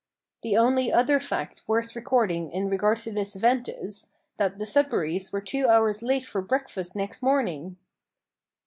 The only other fact worth recording in regard to this event is, that the Sudberrys were two hours late for breakfast next morning!